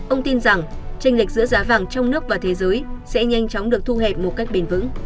ông tin rằng tranh lệch giữa giá vàng trong nước và thế giới sẽ nhanh chóng được thu hẹp một cách bền vững